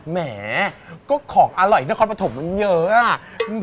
แหมก็ของอร่อยนครปฐมมันเยอะอะ